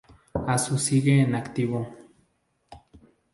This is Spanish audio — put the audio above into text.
A sus sigue en activo.